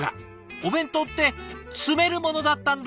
「お弁当って詰めるものだったんだ！」。